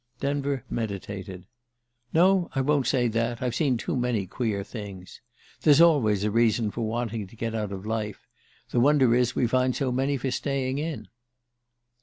Denver meditated. "No, I won't say that. I've seen too many queer things. There's always a reason for wanting to get out of life the wonder is that we find so many for staying in!"